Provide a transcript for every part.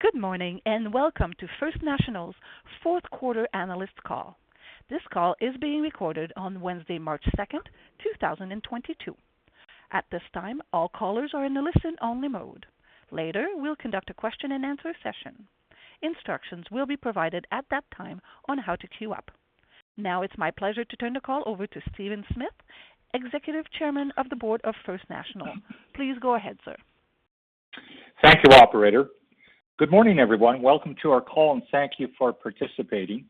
Good morning, and welcome to First National's fourth quarter analyst call. This call is being recorded on Wednesday, March second, two thousand and twenty-two. At this time, all callers are in a listen-only mode. Later, we'll conduct a question-and-answer session. Instructions will be provided at that time on how to queue up. Now it's my pleasure to turn the call over to Stephen Smith, Executive Chairman of the board of First National. Please go ahead, sir. Thank you, operator. Good morning, everyone. Welcome to our call, and thank you for participating.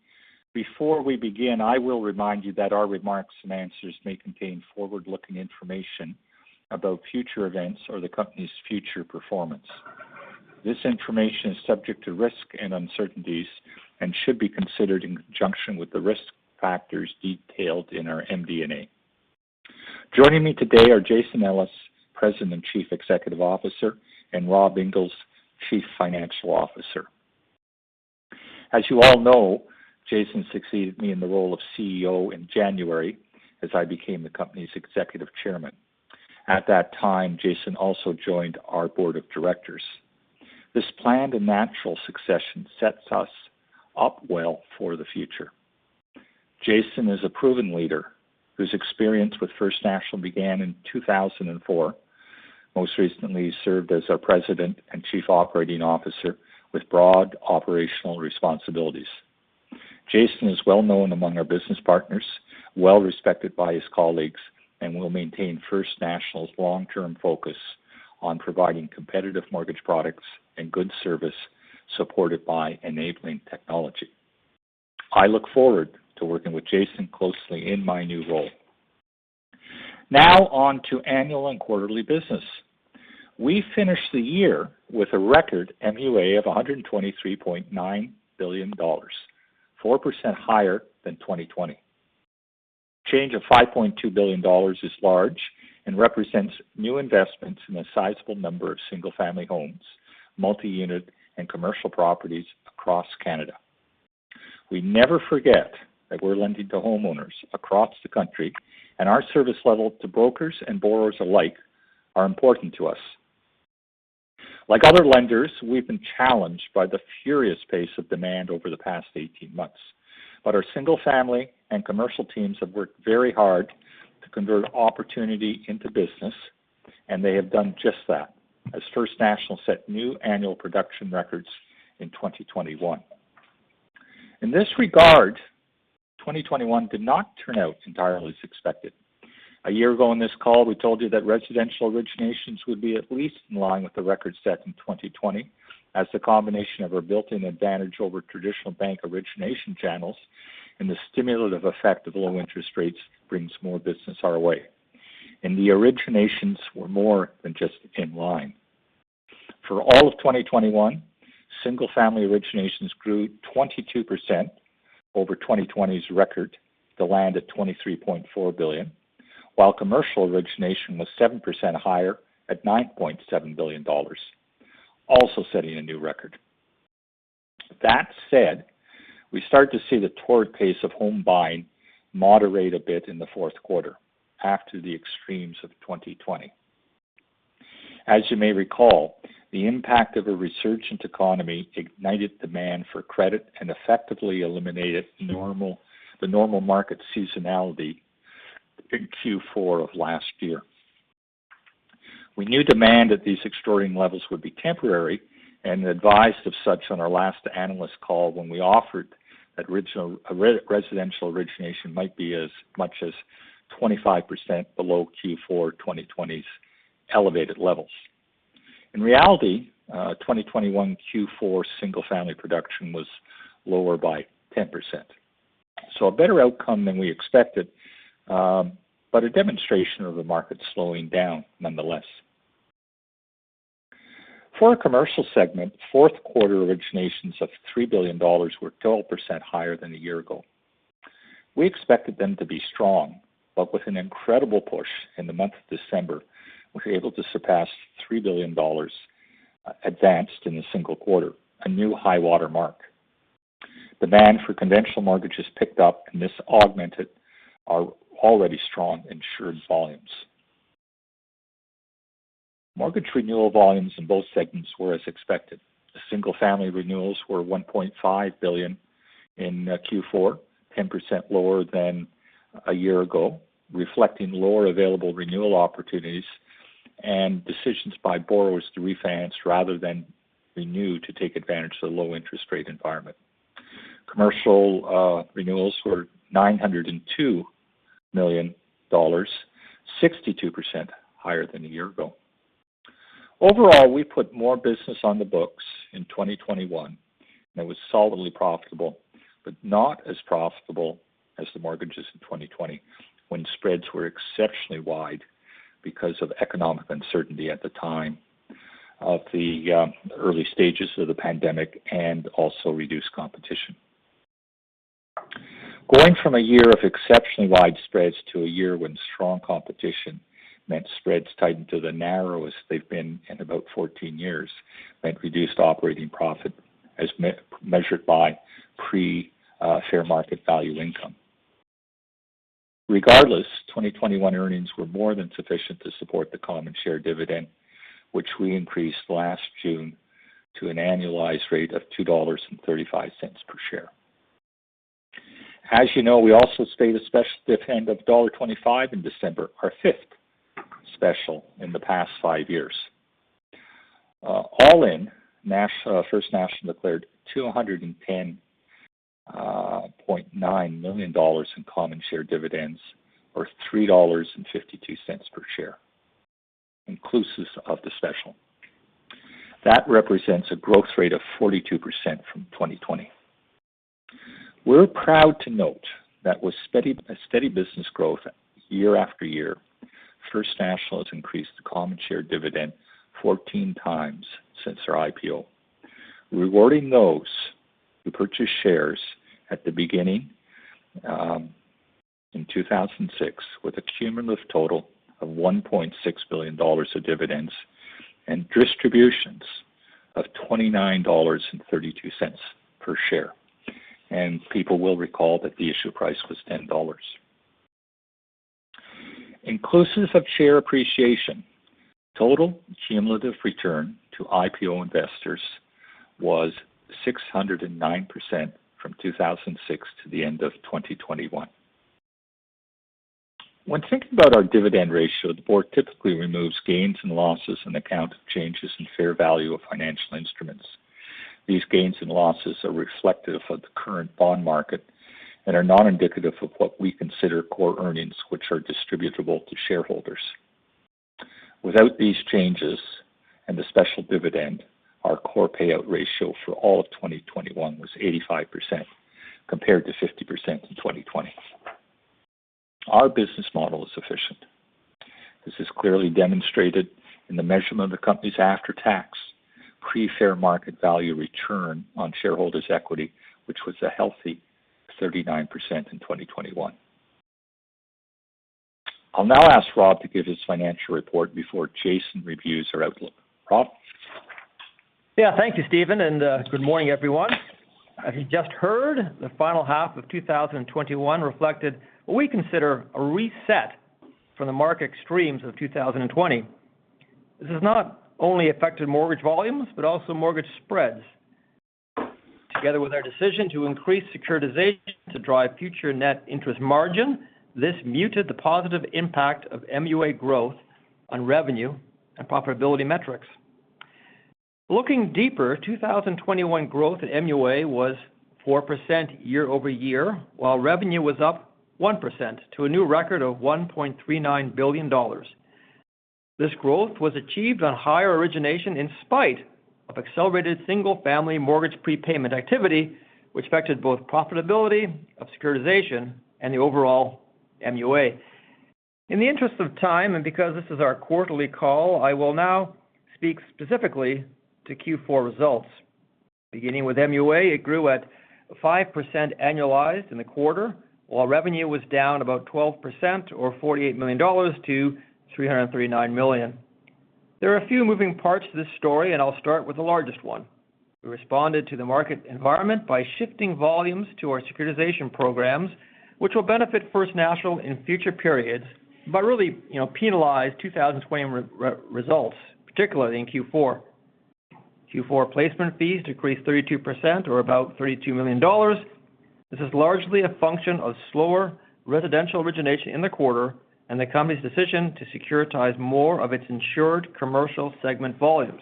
Before we begin, I will remind you that our remarks and answers may contain forward-looking information about future events or the company's future performance. This information is subject to risk and uncertainties and should be considered in conjunction with the risk factors detailed in our MD&A. Joining me today are Jason Ellis, President and Chief Executive Officer, and Rob Inglis, Chief Financial Officer. As you all know, Jason succeeded me in the role of CEO in January as I became the company's Executive Chairman. At that time, Jason also joined our board of directors. This planned and natural succession sets us up well for the future. Jason is a proven leader whose experience with First National began in 2004. Most recently, he served as our president and chief operating officer with broad operational responsibilities. Jason is well-known among our business partners, well-respected by his colleagues, and will maintain First National's long-term focus on providing competitive mortgage products and good service supported by enabling technology. I look forward to working with Jason closely in my new role. Now on to annual and quarterly business. We finished the year with a record MUA of 123.9 billion dollars, 4% higher than 2020. Change of 5.2 billion dollars is large and represents new investments in a sizable number of single-family homes, multi-unit and commercial properties across Canada. We never forget that we're lending to homeowners across the country, and our service level to brokers and borrowers alike are important to us. Like other lenders, we've been challenged by the furious pace of demand over the past 18 months. Our single-family and commercial teams have worked very hard to convert opportunity into business, and they have done just that as First National set new annual production records in 2021. In this regard, 2021 did not turn out entirely as expected. A year ago on this call, we told you that residential originations would be at least in line with the record set in 2020 as the combination of our built-in advantage over traditional bank origination channels and the stimulative effect of low interest rates brings more business our way. The originations were more than just in line. For all of 2021, single-family originations grew 22% over 2020's record to land at 23.4 billion, while commercial origination was 7% higher at 9.7 billion dollars, also setting a new record. That said, we start to see the torrid pace of home buying moderate a bit in the fourth quarter after the extremes of 2020. As you may recall, the impact of a resurgent economy ignited demand for credit and effectively eliminated the normal market seasonality in Q4 of last year. We knew demand at these extraordinary levels would be temporary and advised of such on our last analyst call when we offered that residential origination might be as much as 25% below Q4 2020's elevated levels. In reality, 2021 Q4 single-family production was lower by 10%. A better outcome than we expected, but a demonstration of the market slowing down nonetheless. For our commercial segment, fourth quarter originations of 3 billion dollars were 12% higher than a year ago. We expected them to be strong, but with an incredible push in the month of December, we were able to surpass 3 billion dollars advanced in a single quarter, a new high-water mark. Demand for conventional mortgages picked up, and this augmented our already strong insured volumes. Mortgage renewal volumes in both segments were as expected. The single-family renewals were 1.5 billion in Q4, 10% lower than a year ago, reflecting lower available renewal opportunities and decisions by borrowers to refinance rather than renew to take advantage of the low interest rate environment. Commercial renewals were 902 million dollars, 62% higher than a year ago. Overall, we put more business on the books in 2021, and it was solidly profitable, but not as profitable as the mortgages in 2020 when spreads were exceptionally wide because of economic uncertainty at the time of the early stages of the pandemic and also reduced competition. Going from a year of exceptionally wide spreads to a year when strong competition meant spreads tightened to the narrowest they've been in about 14 years meant reduced operating profit as measured by pre-fair market value income. Regardless, 2021 earnings were more than sufficient to support the common share dividend, which we increased last June to an annualized rate of 2.35 dollars per share. As you know, we also paid a special dividend of dollar 25 in December, our fifth special in the past five years. All in, First National declared 210.9 million dollars in common share dividends or 3.52 dollars per share, inclusive of the special. That represents a growth rate of 42% from 2020. We're proud to note that with steady business growth year after year, First National has increased the common share dividend 14 times since our IPO, rewarding those who purchased shares at the beginning in 2006 with a cumulative total of 1.6 billion dollars of dividends and distributions of 29.32 dollars per share. People will recall that the issue price was 10 dollars. Inclusive of share appreciation, total cumulative return to IPO investors was 609% from 2006 to the end of 2021. When thinking about our dividend ratio, the board typically removes gains and losses on account of changes in fair value of financial instruments. These gains and losses are reflective of the current bond market and are non-indicative of what we consider core earnings which are distributable to shareholders. Without these changes and the special dividend, our core payout ratio for all of 2021 was 85% compared to 50% in 2020. Our business model is efficient. This is clearly demonstrated in the measurement of the company's after-tax pre-fair market value return on shareholders' equity, which was a healthy 39% in 2021. I'll now ask Rob to give his financial report before Jason reviews our outlook. Rob? Yeah. Thank you, Stephen, and good morning, everyone. As you just heard, the final half of 2021 reflected what we consider a reset from the market extremes of 2020. This has not only affected mortgage volumes, but also mortgage spreads. Together with our decision to increase securitization to drive future net interest margin, this muted the positive impact of MUA growth on revenue and profitability metrics. Looking deeper, 2021 growth at MUA was 4% year-over-year, while revenue was up 1% to a new record of 1.39 billion dollars. This growth was achieved on higher origination in spite of accelerated single-family mortgage prepayment activity, which affected both profitability of securitization and the overall MUA. In the interest of time, and because this is our quarterly call, I will now speak specifically to Q4 results. Beginning with MUA, it grew at 5% annualized in the quarter, while revenue was down about 12% or 48 million dollars to 339 million. There are a few moving parts to this story, and I'll start with the largest one. We responded to the market environment by shifting volumes to our securitization programs, which will benefit First National in future periods, but really, you know, penalized 2020 results, particularly in Q4. Q4 placement fees decreased 32% or about 32 million dollars. This is largely a function of slower residential origination in the quarter and the company's decision to securitize more of its insured commercial segment volumes.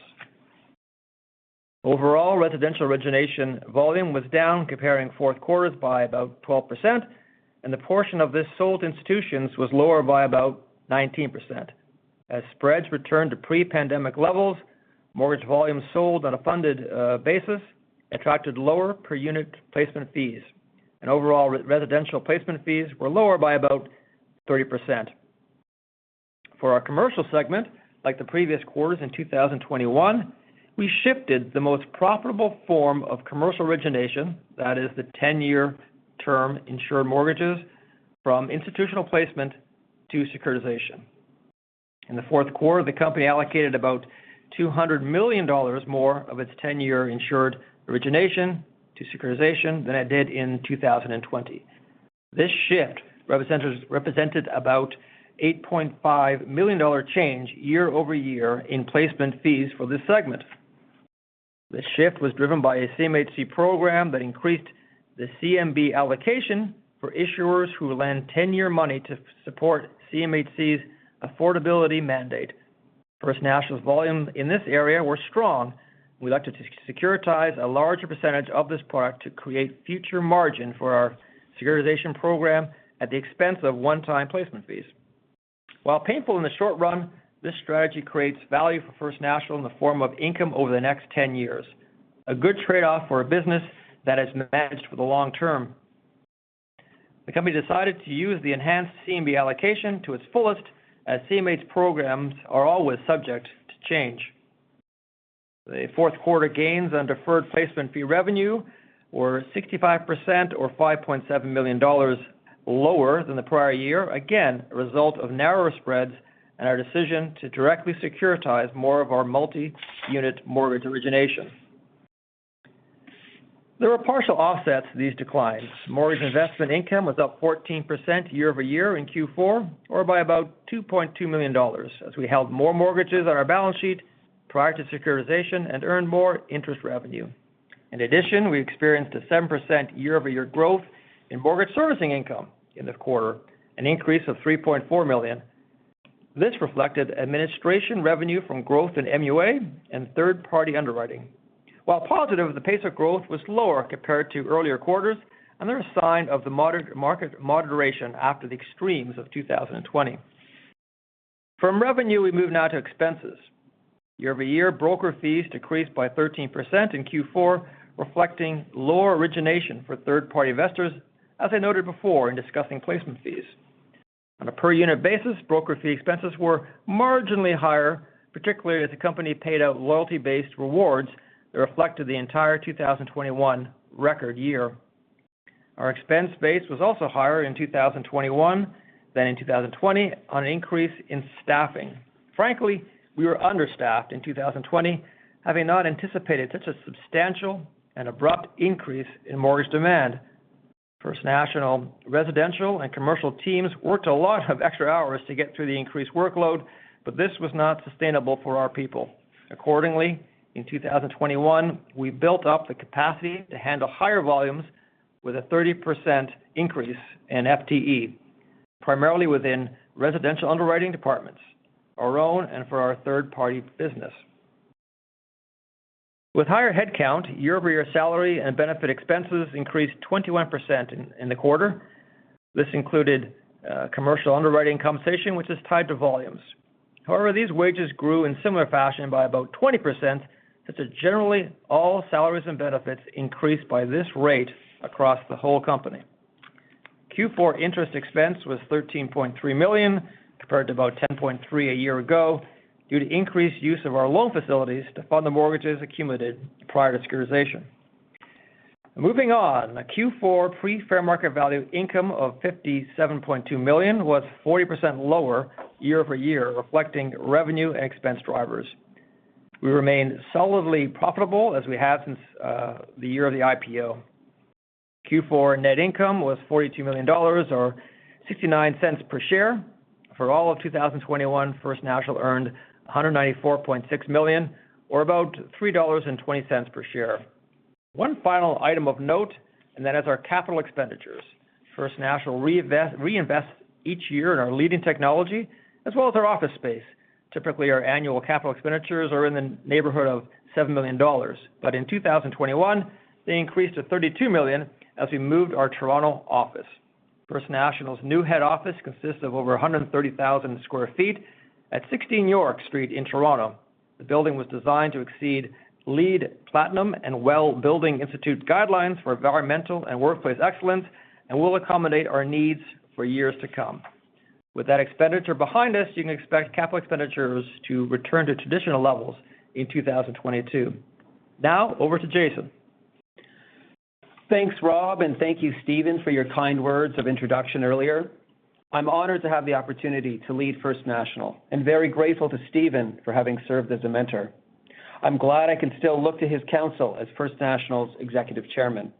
Overall, residential origination volume was down comparing fourth quarters by about 12%, and the portion of this sold to institutions was lower by about 19%. As spreads returned to pre-pandemic levels, mortgage volumes sold on a funded basis attracted lower per unit placement fees, and overall residential placement fees were lower by about 30%. For our commercial segment, like the previous quarters in 2021, we shifted the most profitable form of commercial origination, that is the ten-year term insured mortgages from institutional placement to securitization. In the fourth quarter, the company allocated about 200 million dollars more of its ten-year insured origination to securitization than it did in 2020. This shift represented about 8.5 million dollar change year-over-year in placement fees for this segment. This shift was driven by a CMHC program that increased the CMB allocation for issuers who lend ten-year money to support CMHC's affordability mandate. First National's volumes in this area were strong. We'd like to securitize a larger percentage of this product to create future margin for our securitization program at the expense of one-time placement fees. While painful in the short run, this strategy creates value for First National in the form of income over the next 10 years, a good trade-off for a business that is managed for the long term. The company decided to use the enhanced CMB allocation to its fullest as CMHC's programs are always subject to change. The fourth quarter gains on deferred placement fee revenue were 65% or 5.7 million dollars lower than the prior year. Again, a result of narrower spreads and our decision to directly securitize more of our multi-unit mortgage origination. There are partial offsets to these declines. Mortgage investment income was up 14% year-over-year in Q4, or by about 2.2 million dollars, as we held more mortgages on our balance sheet prior to securitization and earned more interest revenue. In addition, we experienced a 7% year-over-year growth in mortgage servicing income in the quarter, an increase of 3.4 million. This reflected administration revenue from growth in MUA and third-party underwriting. While positive, the pace of growth was lower compared to earlier quarters, another sign of the mortgage market moderation after the extremes of 2020. From revenue, we move now to expenses. Year-over-year broker fees decreased by 13% in Q4, reflecting lower origination for third-party investors, as I noted before in discussing placement fees. On a per-unit basis, broker fee expenses were marginally higher, particularly as the company paid out loyalty-based rewards that reflected the entire 2021 record year. Our expense base was also higher in 2021 than in 2020 on an increase in staffing. Frankly, we were understaffed in 2020, having not anticipated such a substantial and abrupt increase in mortgage demand. First National residential and commercial teams worked a lot of extra hours to get through the increased workload, but this was not sustainable for our people. Accordingly, in 2021, we built up the capacity to handle higher volumes with a 30% increase in FTE, primarily within residential underwriting departments, our own and for our third-party business. With higher headcount, year-over-year salary and benefit expenses increased 21% in the quarter. This included commercial underwriting compensation, which is tied to volumes. However, these wages grew in similar fashion by about 20% since generally all salaries and benefits increased by this rate across the whole company. Q4 interest expense was 13.3 million, compared to about 10.3 million a year ago due to increased use of our loan facilities to fund the mortgages accumulated prior to securitization. Moving on, Q4 pre-fair market value income of 57.2 million was 40% lower year-over-year, reflecting revenue and expense drivers. We remain solidly profitable as we have since the year of the IPO. Q4 net income was 42 million dollars or 0.69 per share. For all of 2021, First National earned 194.6 million or about 3.20 dollars per share. One final item of note, and that is our capital expenditures. First National reinvests each year in our leading technology as well as our office space. Typically, our annual capital expenditures are in the neighborhood of 7 million dollars. In two thousand and twenty-one, they increased to 32 million as we moved our Toronto office. First National's new head office consists of over 130,000 sq ft at Sixteen York Street in Toronto. The building was designed to exceed LEED Platinum and WELL Building Institute guidelines for environmental and workplace excellence and will accommodate our needs for years to come. With that expenditure behind us, you can expect capital expenditures to return to traditional levels in 2022. Now over to Jason. Thanks, Rob, and thank you, Stephen, for your kind words of introduction earlier. I'm honored to have the opportunity to lead First National and very grateful to Stephen for having served as a mentor. I'm glad I can still look to his counsel as First National's Executive Chairman.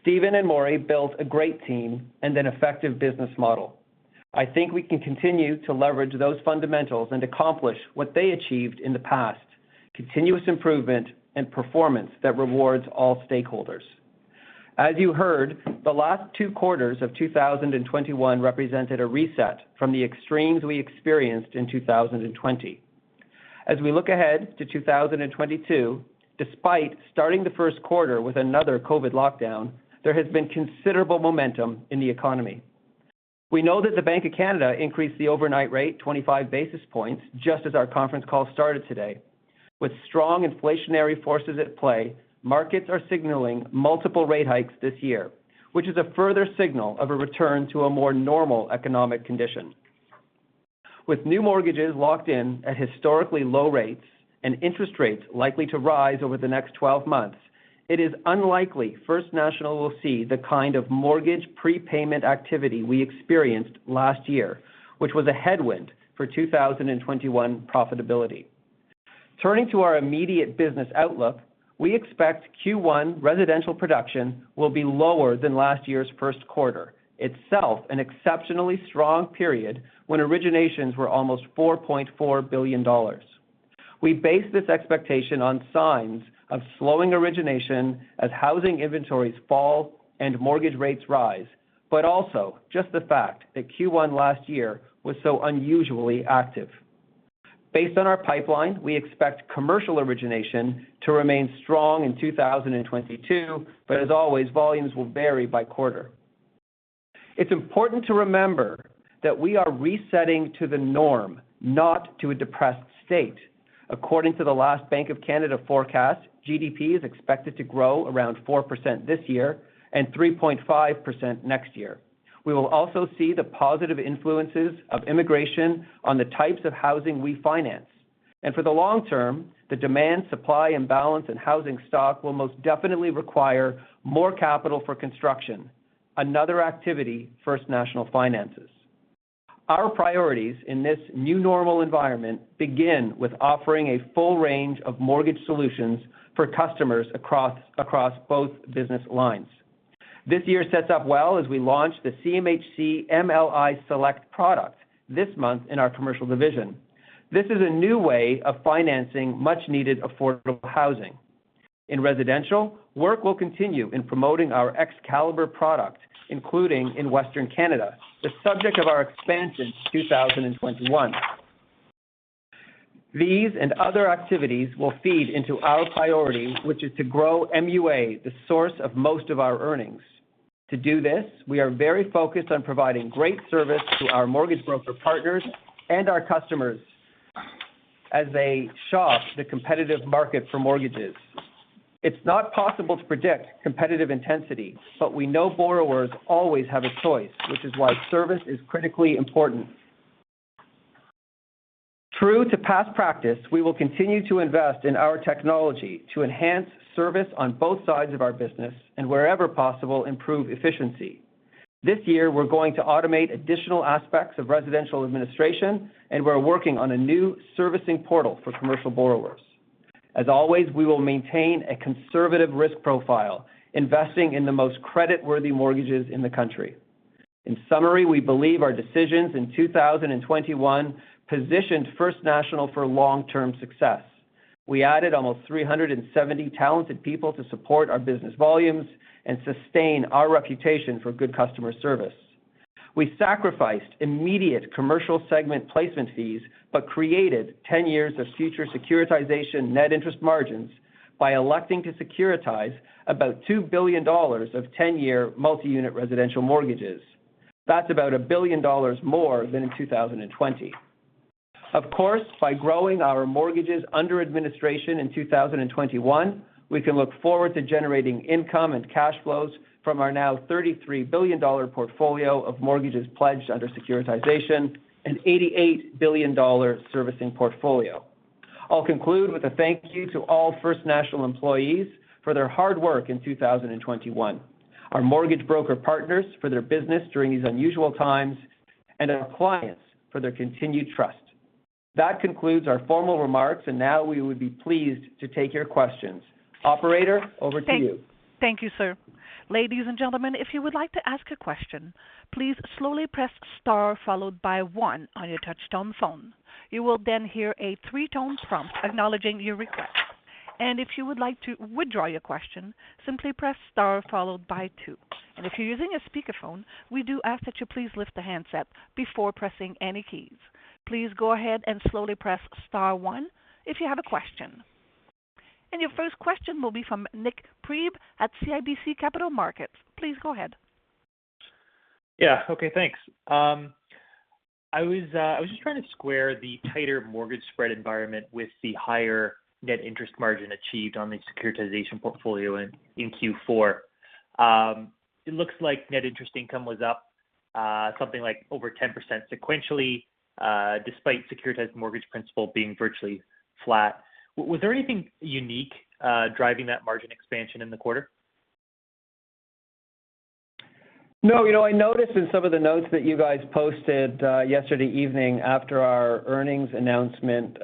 Stephen and Moray built a great team and an effective business model. I think we can continue to leverage those fundamentals and accomplish what they achieved in the past, continuous improvement and performance that rewards all stakeholders. As you heard, the last two quarters of 2021 represented a reset from the extremes we experienced in 2020. As we look ahead to 2022, despite starting the first quarter with another COVID lockdown, there has been considerable momentum in the economy. We know that the Bank of Canada increased the overnight rate 25 basis points just as our conference call started today. With strong inflationary forces at play, markets are signaling multiple rate hikes this year, which is a further signal of a return to a more normal economic condition. With new mortgages locked in at historically low rates and interest rates likely to rise over the next 12 months, it is unlikely First National will see the kind of mortgage prepayment activity we experienced last year, which was a headwind for 2021 profitability. Turning to our immediate business outlook, we expect Q1 residential production will be lower than last year's first quarter, itself an exceptionally strong period when originations were almost 4.4 billion dollars. We base this expectation on signs of slowing origination as housing inventories fall and mortgage rates rise, but also just the fact that Q1 last year was so unusually active. Based on our pipeline, we expect commercial origination to remain strong in 2022, but as always, volumes will vary by quarter. It's important to remember that we are resetting to the norm, not to a depressed state. According to the last Bank of Canada forecast, GDP is expected to grow around 4% this year and 3.5% next year. We will also see the positive influences of immigration on the types of housing we finance. For the long term, the demand, supply, and balance in housing stock will most definitely require more capital for construction, another activity First National finances. Our priorities in this new normal environment begin with offering a full range of mortgage solutions for customers across both business lines. This year sets up well as we launch the CMHC MLI Select product this month in our commercial division. This is a new way of financing much-needed affordable housing. In residential, work will continue in promoting our Excalibur product, including in Western Canada, the subject of our expansion in 2021. These and other activities will feed into our priority, which is to grow MUA, the source of most of our earnings. To do this, we are very focused on providing great service to our mortgage broker partners and our customers as they shop the competitive market for mortgages. It's not possible to predict competitive intensity, but we know borrowers always have a choice, which is why service is critically important. True to past practice, we will continue to invest in our technology to enhance service on both sides of our business and wherever possible, improve efficiency. This year, we're going to automate additional aspects of residential administration, and we're working on a new servicing portal for commercial borrowers. As always, we will maintain a conservative risk profile, investing in the most credit-worthy mortgages in the country. In summary, we believe our decisions in 2021 positioned First National for long-term success. We added almost 370 talented people to support our business volumes and sustain our reputation for good customer service. We sacrificed immediate commercial segment placement fees, but created 10 years of future securitization net interest margins by electing to securitize about 2 billion dollars of 10-year multi-unit residential mortgages. That's about 1 billion dollars more than in 2020. Of course, by growing our mortgages under administration in 2021, we can look forward to generating income and cash flows from our now 33 billion dollar portfolio of mortgages pledged under securitization and 88 billion dollars servicing portfolio. I'll conclude with a thank you to all First National employees for their hard work in 2021, our mortgage broker partners for their business during these unusual times, and our clients for their continued trust. That concludes our formal remarks, and now we would be pleased to take your questions. Operator, over to you. Thank you, sir. Ladies and gentlemen, if you would like to ask a question, please slowly press star followed by one on your touch-tone phone. You will then hear a three-tone prompt acknowledging your request. If you would like to withdraw your question, simply press star followed by two. If you're using a speakerphone, we do ask that you please lift the handset before pressing any keys. Please go ahead and slowly press star one if you have a question. Your first question will be from Nik Priebe at CIBC Capital Markets. Please go ahead. Yeah. Okay, thanks. I was just trying to square the tighter mortgage spread environment with the higher net interest margin achieved on the securitization portfolio in Q4. It looks like net interest income was up something like over 10% sequentially, despite securitized mortgage principal being virtually flat. Was there anything unique driving that margin expansion in the quarter? No. You know, I noticed in some of the notes that you guys posted yesterday evening after our earnings announcement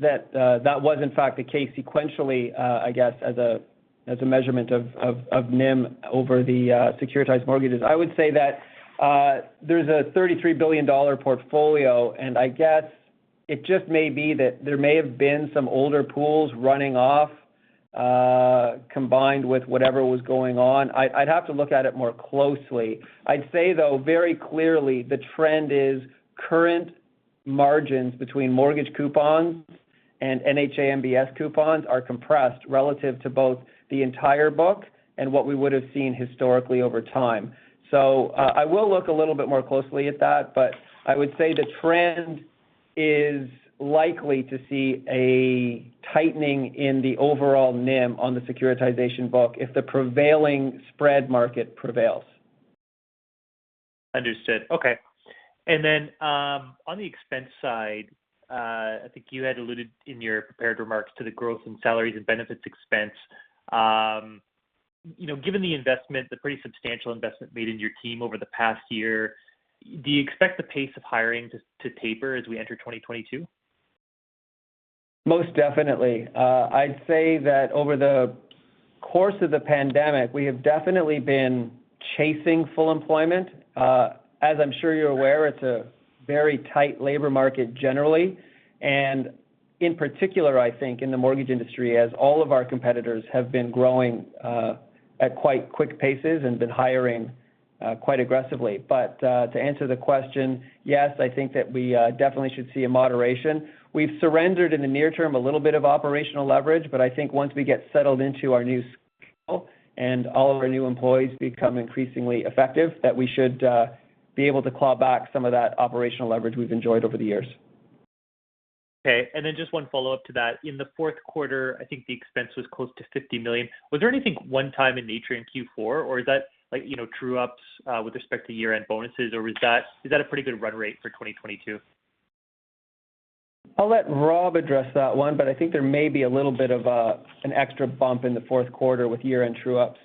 that was in fact the case sequentially. I guess as a measurement of NIM over the securitized mortgages. I would say that there's a 33 billion dollar portfolio, and I guess it just may be that there may have been some older pools running off combined with whatever was going on. I'd have to look at it more closely. I'd say though, very clearly the trend is current margins between mortgage coupons and NHA MBS coupons are compressed relative to both the entire book and what we would have seen historically over time. I will look a little bit more closely at that, but I would say the trend is likely to see a tightening in the overall NIM on the securitization book if the prevailing spread market prevails. Understood. Okay. On the expense side, I think you had alluded in your prepared remarks to the growth in salaries and benefits expense. You know, given the investment, the pretty substantial investment made in your team over the past year, do you expect the pace of hiring to taper as we enter 2022? Most definitely. I'd say that over the course of the pandemic, we have definitely been chasing full employment. As I'm sure you're aware, it's a very tight labor market generally, and in particular, I think, in the mortgage industry, as all of our competitors have been growing at quite quick paces and been hiring quite aggressively. To answer the question, yes, I think that we definitely should see a moderation. We've surrendered in the near term a little bit of operational leverage, but I think once we get settled into our new scale and all of our new employees become increasingly effective, that we should be able to claw back some of that operational leverage we've enjoyed over the years. Okay. Just one follow-up to that. In the fourth quarter, I think the expense was close to 50 million. Was there anything one-time in nature in Q4, or is that like, you know, true ups with respect to year-end bonuses? Or is that a pretty good run rate for 2022? I'll let Rob address that one, but I think there may be a little bit of an extra bump in the fourth quarter with year-end true ups.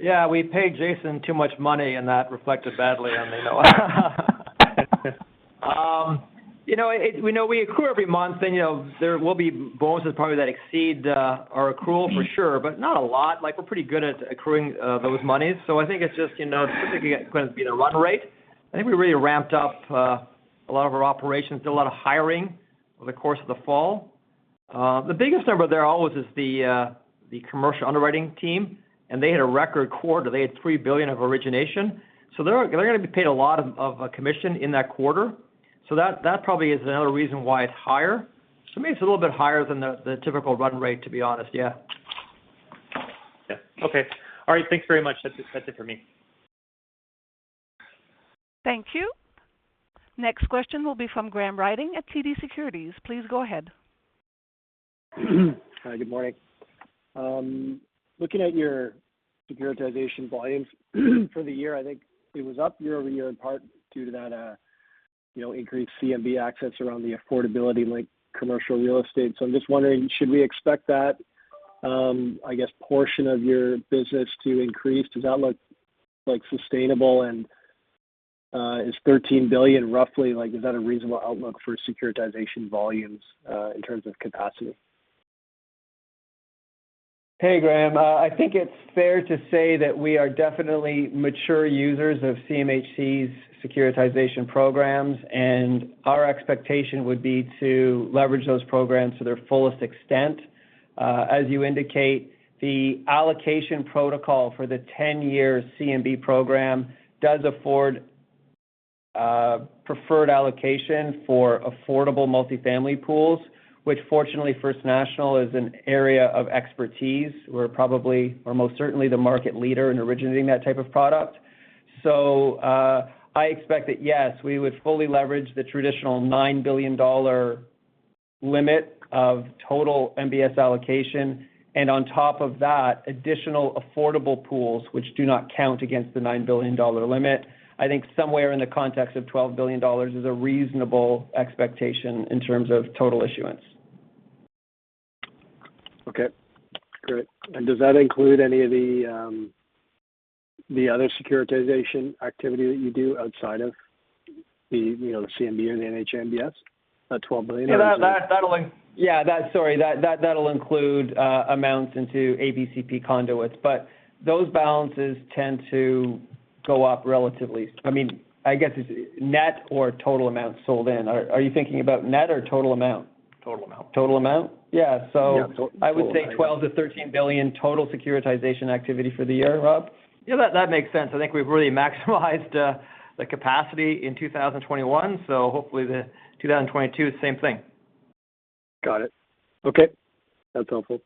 Yeah. We pay Jason too much money, and that reflected badly on me. You know, we know we accrue every month, and you know, there will be bonuses probably that exceed our accrual for sure, but not a lot. Like, we're pretty good at accruing those monies. I think it's just, you know, typically it couldn't be the run rate. I think we really ramped up a lot of our operations, did a lot of hiring over the course of the fall. The biggest number there always is the commercial underwriting team, and they had a record quarter. They had 3 billion of origination. They're gonna be paid a lot of commission in that quarter. That probably is another reason why it's higher. To me, it's a little bit higher than the typical run rate, to be honest. Yeah. Yeah. Okay. All right. Thanks very much. That's it, that's it for me. Thank you. Next question will be from Graham Ryding at TD Securities. Please go ahead. Hi, good morning. Looking at your securitization volumes for the year, I think it was up year-over-year in part due to that, you know, increased CMB access around the affordability link commercial real estate. I'm just wondering, should we expect that, I guess, portion of your business to increase? Does that look, like, sustainable? Is 13 billion roughly, like, a reasonable outlook for securitization volumes, in terms of capacity? Hey, Graham. I think it's fair to say that we are definitely mature users of CMHC's securitization programs, and our expectation would be to leverage those programs to their fullest extent. As you indicate, the allocation protocol for the 10-year CMB program does afford preferred allocation for affordable multifamily pools, which fortunately First National is an area of expertise. We're probably or most certainly the market leader in originating that type of product. I expect that, yes, we would fully leverage the traditional 9 billion dollar limit of total MBS allocation. On top of that, additional affordable pools which do not count against the 9 billion dollar limit. I think somewhere in the context of 12 billion dollars is a reasonable expectation in terms of total issuance. Okay. Great. Does that include any of the other securitization activity that you do outside of the, you know, CMB and NHA MBS, that CAD 12 billion? Yeah, that's settling. That'll include amounts into ABCP conduits. But those balances tend to go up relatively. I mean, I guess it's net or total amounts sold in. Are you thinking about net or total amount? Total amount. Total amount? Yeah. Yeah. Total amount. I would say 12 billion-13 billion total securitization activity for the year, Rob. Yeah, that makes sense. I think we've really maximized the capacity in 2021, so hopefully 2022, same thing. Got it. Okay. That's helpful.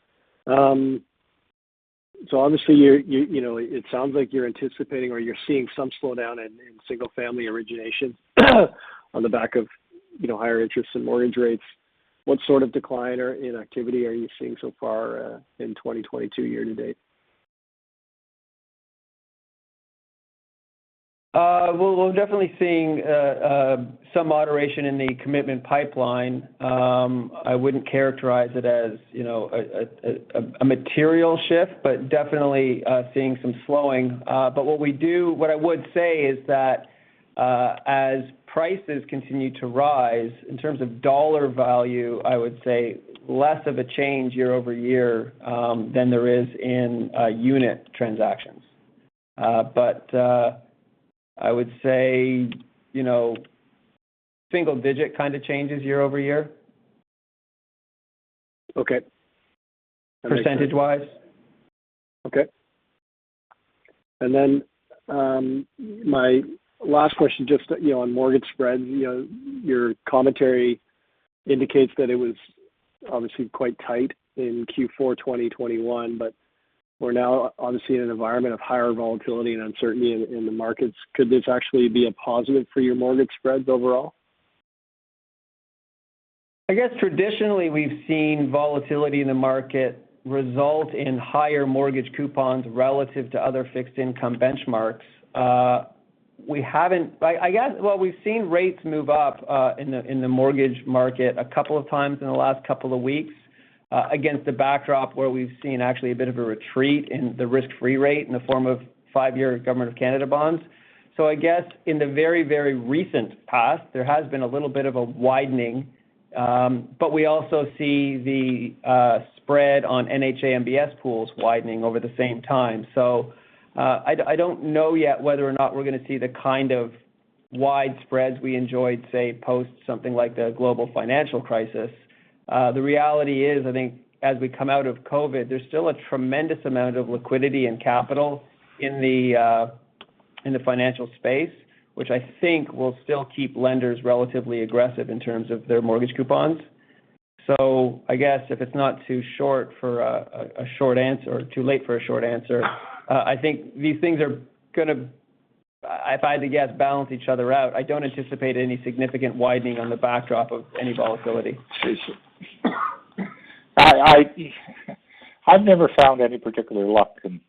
Obviously, you know, it sounds like you're anticipating or you're seeing some slowdown in single-family origination on the back of, you know, higher interest and mortgage rates. What sort of decline in activity are you seeing so far in 2022 year to date? We're definitely seeing some moderation in the commitment pipeline. I wouldn't characterize it as, you know, a material shift, but definitely seeing some slowing. What I would say is that, as prices continue to rise in terms of dollar value, I would say less of a change year-over-year than there is in unit transactions. I would say, you know, single-digit kind of changes year-over-year. Okay. Percentage-wise. Okay. My last question just, you know, on mortgage spreads. You know, your commentary indicates that it was obviously quite tight in Q4 2021, but we're now obviously in an environment of higher volatility and uncertainty in the markets. Could this actually be a positive for your mortgage spreads overall? I guess traditionally we've seen volatility in the market result in higher mortgage coupons relative to other fixed income benchmarks. I guess, well, we've seen rates move up in the mortgage market a couple of times in the last couple of weeks against the backdrop where we've seen actually a bit of a retreat in the risk-free rate in the form of five-year Government of Canada bonds. I guess in the very, very recent past, there has been a little bit of a widening, but we also see the spread on NHA MBS pools widening over the same time. I don't know yet whether or not we're gonna see the kind of wide spreads we enjoyed, say, post something like the global financial crisis. The reality is, I think as we come out of COVID, there's still a tremendous amount of liquidity and capital in the financial space, which I think will still keep lenders relatively aggressive in terms of their mortgage coupons. I guess if it's not too short for a short answer or too late for a short answer, I think these things are gonna, if I had to guess, balance each other out. I don't anticipate any significant widening on the backdrop of any volatility. I've never found any particular luck in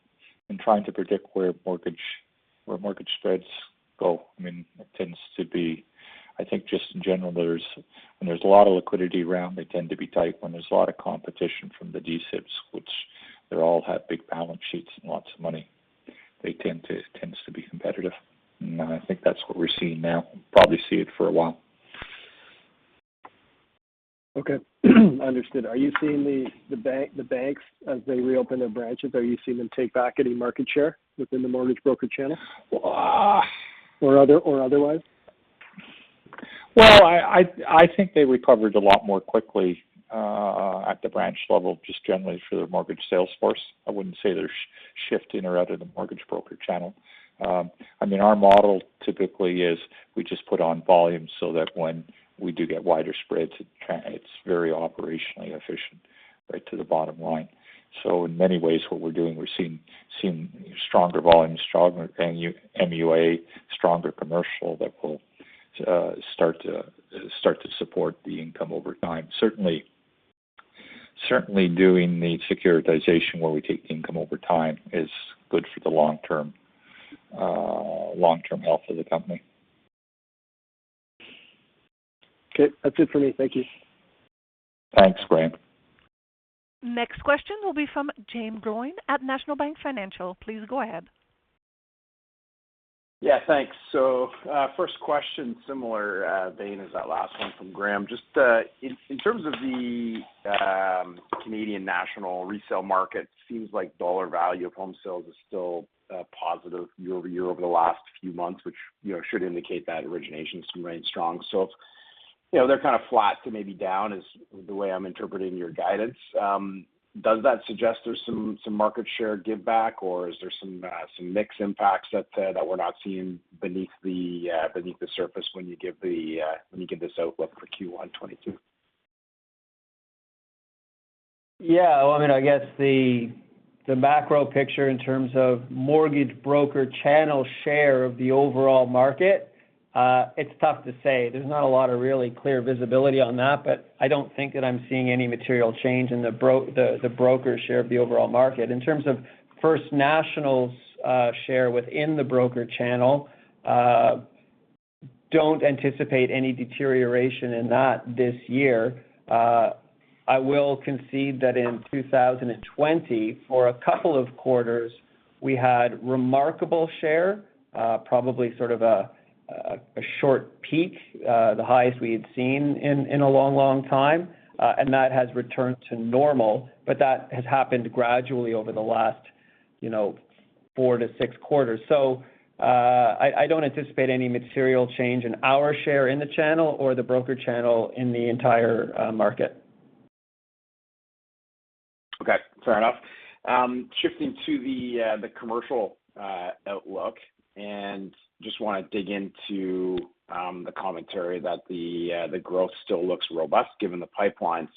trying to predict where mortgage spreads go. I mean, it tends to be. I think just in general, when there's a lot of liquidity around, they tend to be tight. When there's a lot of competition from the D-SIBs, which they all have big balance sheets and lots of money, they tend to be competitive. I think that's what we're seeing now, probably see it for a while. Okay. Understood. Are you seeing the banks as they reopen their branches, are you seeing them take back any market share within the mortgage broker channel? Uh. Otherwise? I think they recovered a lot more quickly at the branch level, just generally for their mortgage sales force. I wouldn't say they're shifting or out of the mortgage broker channel. I mean, our model typically is we just put on volume so that when we do get wider spreads, it's very operationally efficient right to the bottom line. In many ways, what we're doing, we're seeing stronger volume, stronger MUA, stronger commercial that will start to support the income over time. Certainly doing the securitization where we take the income over time is good for the long-term health of the company. Okay. That's it for me. Thank you. Thanks, Graham. Next question will be from Jaeme Gloyn at National Bank Financial. Please go ahead. Yeah, thanks. First question, similar vein as that last one from Graham. Just, in terms of the Canadian national resale market, seems like dollar value of home sales is still positive year-over-year over the last few months, which, you know, should indicate that origination has remained strong. If, you know, they're kind of flat to maybe down is the way I'm interpreting your guidance, does that suggest there's some market share give back, or is there some mix impacts that we're not seeing beneath the surface when you give this outlook for Q1 2022? Yeah. Well, I mean, I guess the macro picture in terms of mortgage broker channel share of the overall market, it's tough to say. There's not a lot of really clear visibility on that, but I don't think that I'm seeing any material change in the broker share of the overall market. In terms of First National's share within the broker channel, don't anticipate any deterioration in that this year. I will concede that in 2020, for a couple of quarters, we had remarkable share, probably sort of a short peak, the highest we had seen in a long time. That has returned to normal, but that has happened gradually over the last, you know, four to six quarters. I don't anticipate any material change in our share in the channel or the broker channel in the entire market. Okay. Fair enough. Shifting to the commercial outlook, and just wanna dig into the commentary that the growth still looks robust given the pipeline.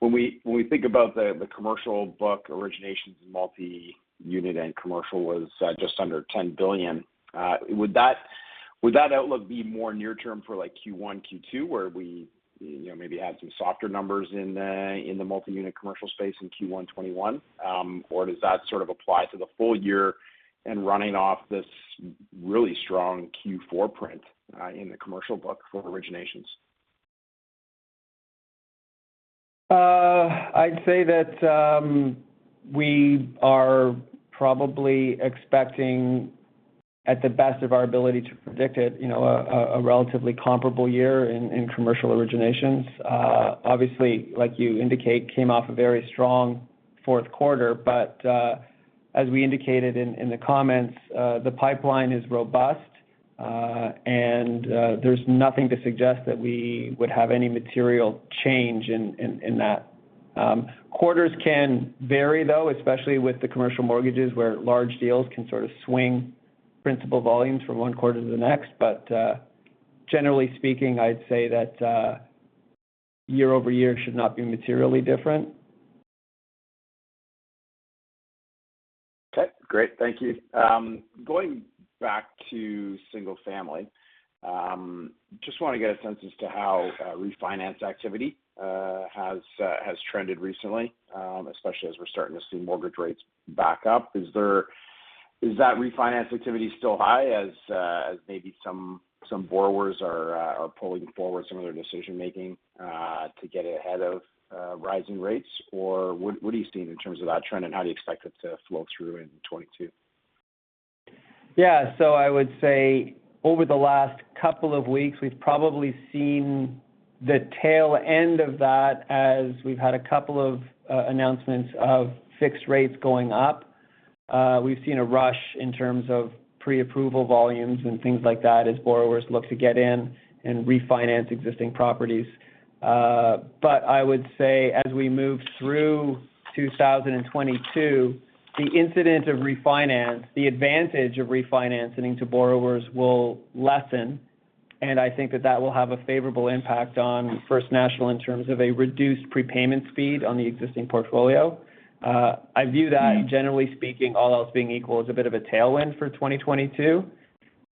When we think about the commercial book originations in multi-unit and commercial was just under 10 billion, would that outlook be more near term for like Q1, Q2, where we, you know, maybe had some softer numbers in the multi-unit commercial space in Q1 2021? Or does that sort of apply to the full year and running off this really strong Q4 print in the commercial book for originations? I'd say that we are probably expecting, at the best of our ability to predict it, you know, a relatively comparable year in commercial originations, obviously, like you indicate, that came off a very strong fourth quarter. As we indicated in the comments, the pipeline is robust, and there's nothing to suggest that we would have any material change in that. Quarters can vary, though, especially with the commercial mortgages where large deals can sort of swing principal volumes from one quarter to the next. Generally speaking, I'd say that year-over-year should not be materially different. Okay, great. Thank you. Going back to single family, just wanna get a sense as to how refinance activity has trended recently, especially as we're starting to see mortgage rates back up. Is that refinance activity still high as maybe some borrowers are pulling forward some of their decision-making to get ahead of rising rates, or what are you seeing in terms of that trend, and how do you expect it to flow through in 2022? Yeah. I would say over the last couple of weeks, we've probably seen the tail end of that as we've had a couple of announcements of fixed rates going up. We've seen a rush in terms of preapproval volumes and things like that as borrowers look to get in and refinance existing properties. I would say as we move through 2022, the incidence of refinance, the advantage of refinancing to borrowers will lessen, and I think that will have a favorable impact on First National in terms of a reduced prepayment speed on the existing portfolio. I view that, generally speaking, all else being equal, as a bit of a tailwind for 2022.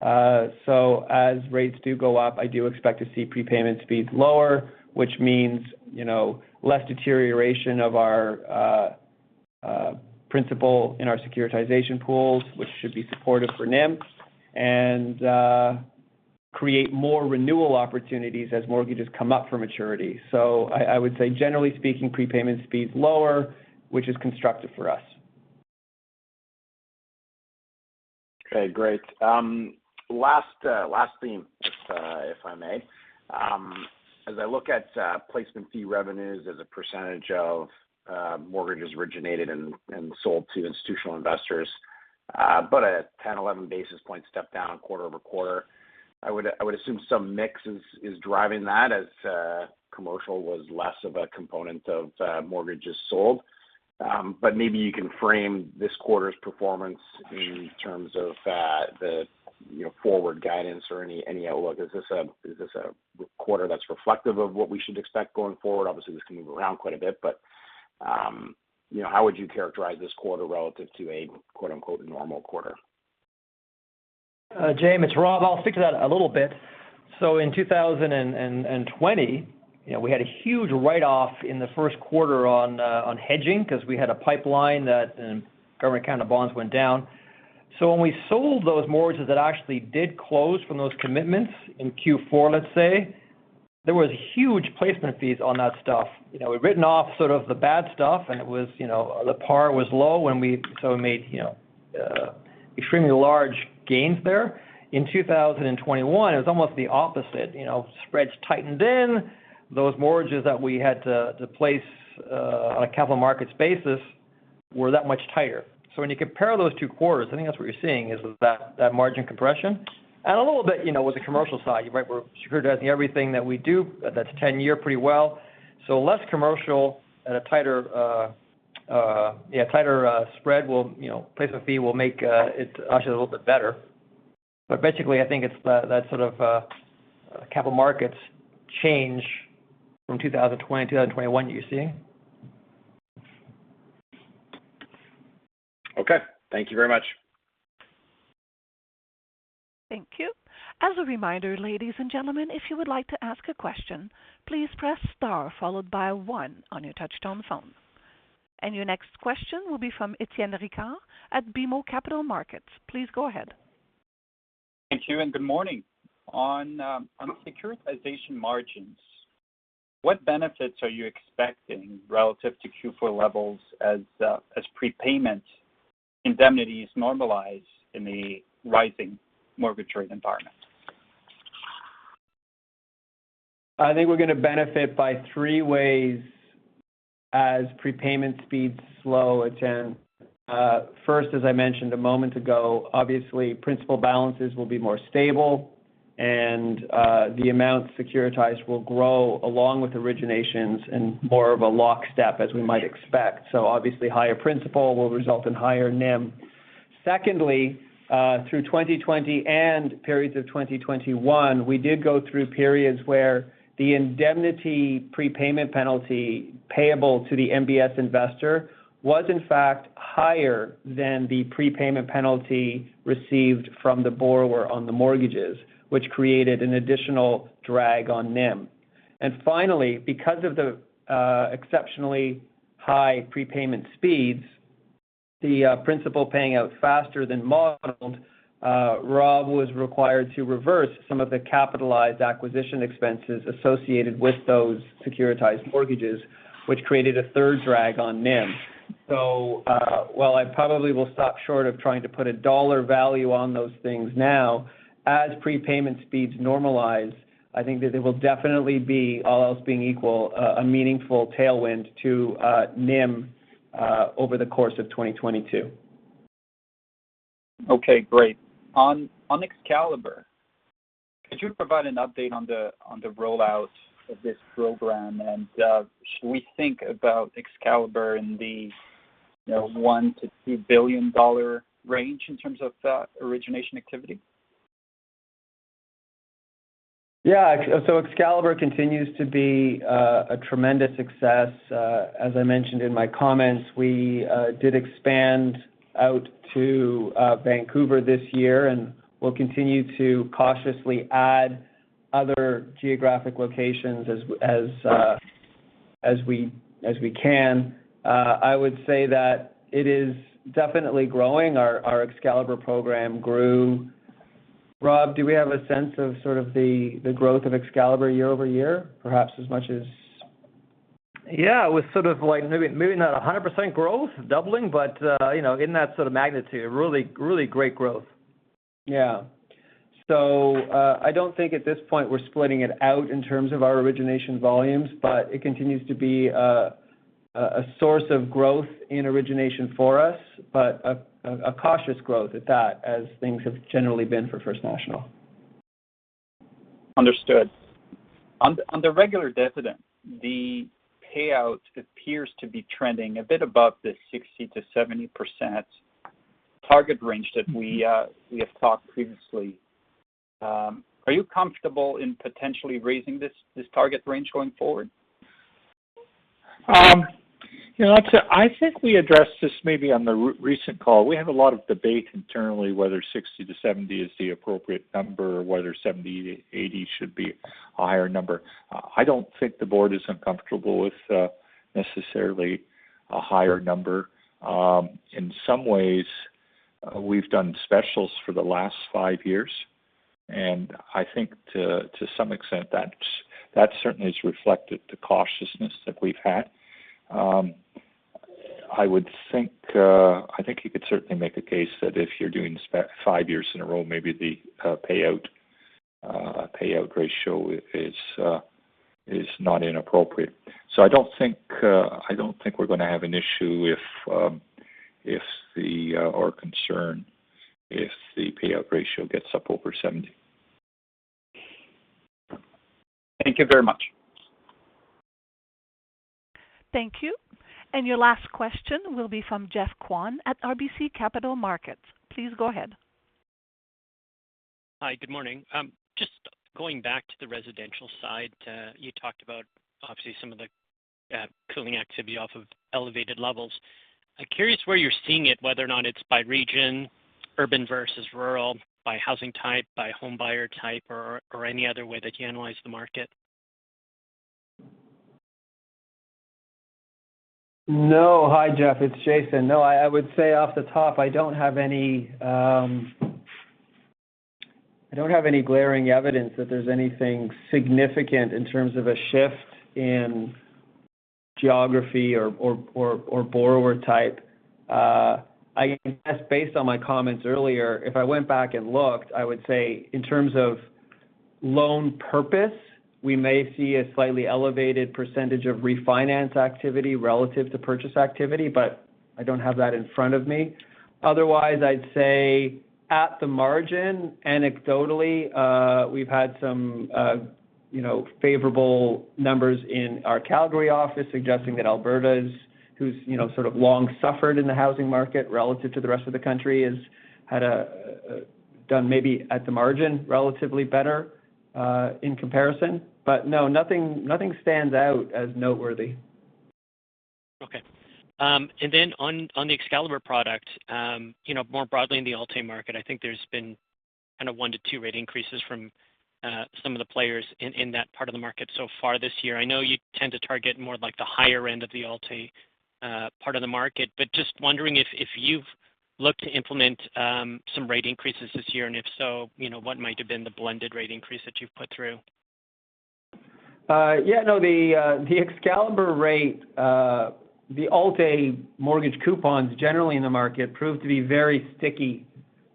As rates do go up, I do expect to see prepayment speeds lower, which means, you know, less deterioration of our principal in our securitization pools, which should be supportive for NIM and create more renewal opportunities as mortgages come up for maturity. I would say generally speaking, prepayment speeds lower, which is constructive for us. Okay, great. Last theme, if I may. As I look at placement fee revenues as a percentage of mortgages originated and sold to institutional investors, but a 10-11 basis point step down quarter-over-quarter. I would assume some mix is driving that as commercial was less of a component of mortgages sold. But maybe you can frame this quarter's performance in terms of the you know, forward guidance or any outlook. Is this a quarter that's reflective of what we should expect going forward? Obviously, this can move around quite a bit, but you know, how would you characterize this quarter relative to a quote-unquote normal quarter? Jaeme, it's Rob. I'll speak to that a little bit. In 2020, you know, we had a huge write-off in the first quarter on hedging because we had a pipeline, and Government of Canada bonds went down. When we sold those mortgages that actually did close from those commitments in Q4, let's say, there was huge placement fees on that stuff. You know, we'd written off sort of the bad stuff, and it was, you know, the par was low when we sort of made, you know, extremely large gains there. In 2021, it was almost the opposite. You know, spreads tightened then. Those mortgages that we had to place on a capital markets basis were that much tighter. When you compare those two quarters, I think that's what you're seeing is that margin compression. A little bit, you know, with the commercial side. You're right, we're securitizing everything that we do that's 10-year pretty well. Less commercial at a tighter spread will, you know, placement fee will make it actually a little bit better. Basically, I think it's that sort of capital markets change from 2020-2021 you're seeing. Okay. Thank you very much. Thank you. As a reminder, ladies and gentlemen, if you would like to ask a question, please press star followed by one on your touchtone phone. Your next question will be from Étienne Ricard at BMO Capital Markets. Please go ahead. Thank you and good morning. On securitization margins, what benefits are you expecting relative to Q4 levels as prepayment indemnities normalize in the rising mortgage rate environment? I think we're gonna benefit in three ways as prepayment speeds slow, Étienne. First, as I mentioned a moment ago, obviously, principal balances will be more stable and the amount securitized will grow along with originations in more of a lockstep as we might expect. So obviously, higher principal will result in higher NIM. Secondly, through 2020 and periods of 2021, we did go through periods where the indemnity prepayment penalty payable to the MBS investor was in fact higher than the prepayment penalty received from the borrower on the mortgages, which created an additional drag on NIM. Finally, because of the exceptionally high prepayment speeds, the principal paying out faster than modeled, Rob was required to reverse some of the capitalized acquisition expenses associated with those securitized mortgages, which created a third drag on NIM. While I probably will stop short of trying to put a dollar value on those things now, as prepayment speeds normalize, I think that it will definitely be, all else being equal, a meaningful tailwind to NIM over the course of 2022. Okay, great. On Excalibur, could you provide an update on the rollout of this program? Should we think about Excalibur in the, you know, 1 billion-2 billion dollar range in terms of origination activity? Yeah. Excalibur continues to be a tremendous success. As I mentioned in my comments, we did expand out to Vancouver this year, and we'll continue to cautiously add other geographic locations as we can. I would say that it is definitely growing. Our Excalibur program grew. Rob, do we have a sense of sort of the growth of Excalibur year over year, perhaps as much as... Yeah. It was sort of like maybe not 100% growth doubling, but, you know, in that sort of magnitude, really great growth. I don't think at this point we're splitting it out in terms of our origination volumes, but it continues to be a source of growth in origination for us, but a cautious growth at that, as things have generally been for First National. Understood. On the regular dividend, the payout appears to be trending a bit above the 60%-70% target range that we have talked previously. Are you comfortable in potentially raising this target range going forward? You know, that's a. I think we addressed this maybe on the recent call. We have a lot of debate internally whether 60%-70% is the appropriate number or whether 70%-80% should be a higher number. I don't think the board is uncomfortable with necessarily a higher number. In some ways, we've done specials for the last five years. I think to some extent that certainly has reflected the cautiousness that we've had. I think you could certainly make a case that if you're doing this for five years in a row, maybe the payout ratio is not inappropriate. I don't think we're gonna have an issue or concern if the payout ratio gets up over 70%. Thank you very much. Thank you. Your last question will be from Geoff Kwan at RBC Capital Markets. Please go ahead. Hi, good morning. Just going back to the residential side. You talked about obviously some of the cooling activity off of elevated levels. I'm curious where you're seeing it, whether or not it's by region, urban versus rural, by housing type, by homebuyer type or any other way that you analyze the market. No. Hi, Geoff, it's Jason. No, I would say off the top, I don't have any glaring evidence that there's anything significant in terms of a shift in geography or borrower type. I guess based on my comments earlier, if I went back and looked, I would say in terms of loan purpose, we may see a slightly elevated percentage of refinance activity relative to purchase activity, but I don't have that in front of me. Otherwise, I'd say at the margin, anecdotally, we've had some you know, favorable numbers in our Calgary office suggesting that Alberta, which has you know, sort of long suffered in the housing market relative to the rest of the country has done maybe at the margin relatively better in comparison. No, nothing stands out as noteworthy. Okay. On the Excalibur product, you know, more broadly in the Alt-A market, I think there's been kind of one to two rate increases from some of the players in that part of the market so far this year. I know you tend to target more like the higher end of the Alt-A part of the market. Just wondering if you've looked to implement some rate increases this year, and if so, you know, what might have been the blended rate increase that you've put through? The Excalibur rate, the Alt-A mortgage coupons generally in the market proved to be very sticky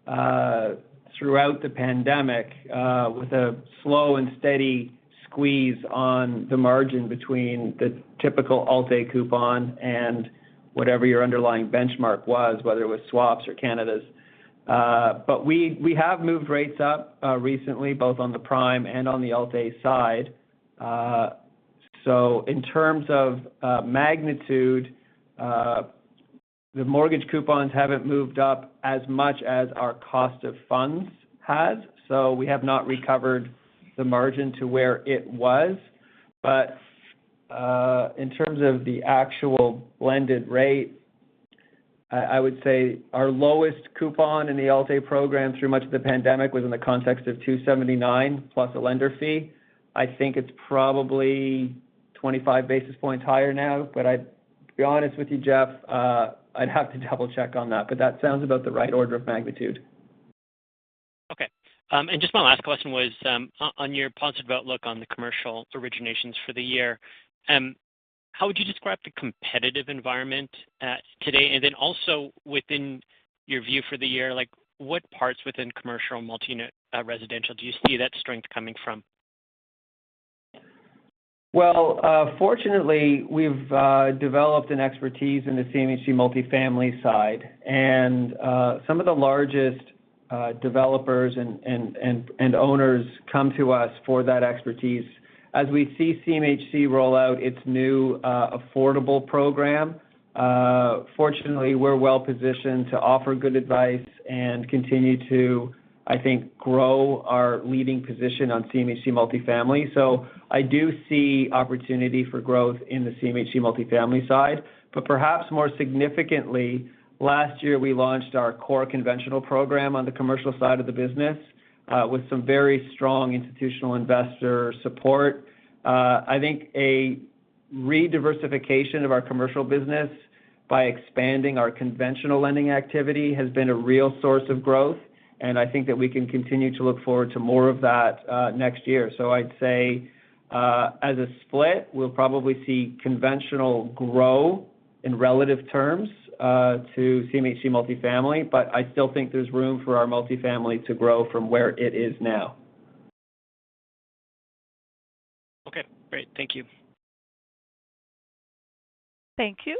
throughout the pandemic, with a slow and steady squeeze on the margin between the typical Alt-A coupon and whatever your underlying benchmark was, whether it was swaps or Canadas. We have moved rates up recently, both on the prime and on the Alt-A side. In terms of magnitude, the mortgage coupons haven't moved up as much as our cost of funds has. We have not recovered the margin to where it was. In terms of the actual blended rate, I would say our lowest coupon in the Alt-A program through much of the pandemic was in the context of 2.79 plus a lender fee. I think it's probably 25 basis points higher now. I'd be honest with you, Geoff, I'd have to double-check on that, but that sounds about the right order of magnitude. Okay. Just my last question was, on your positive outlook on the commercial originations for the year, how would you describe the competitive environment today? Then also within your view for the year, like what parts within commercial multi-unit residential do you see that strength coming from? Well, fortunately, we've developed an expertise in the CMHC multifamily side. Some of the largest developers and owners come to us for that expertise. As we see CMHC roll out its new affordable program, fortunately, we're well-positioned to offer good advice and continue to, I think, grow our leading position on CMHC multifamily. I do see opportunity for growth in the CMHC multifamily side. Perhaps more significantly, last year, we launched our core conventional program on the commercial side of the business, with some very strong institutional investor support. I think a re-diversification of our commercial business by expanding our conventional lending activity has been a real source of growth, and I think that we can continue to look forward to more of that, next year. I'd say, as a split, we'll probably see conventional grow in relative terms to CMHC multifamily, but I still think there's room for our multifamily to grow from where it is now. Okay, great. Thank you. Thank you.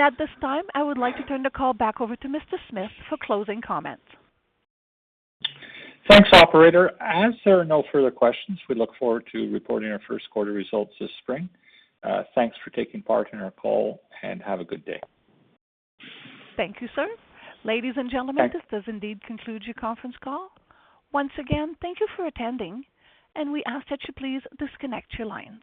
At this time, I would like to turn the call back over to Mr. Smith for closing comments. Thanks, operator. As there are no further questions, we look forward to reporting our first quarter results this spring. Thanks for taking part in our call, and have a good day. Thank you, sir. Ladies and gentlemen. Thanks. This does indeed conclude your conference call. Once again, thank you for attending, and we ask that you please disconnect your lines.